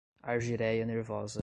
argyreia nervosa